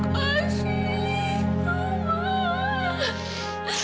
kamila kangen banget sama makan